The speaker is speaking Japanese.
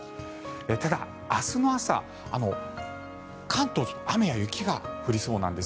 ただ、明日の朝、関東は雨や雪が降りそうなんです。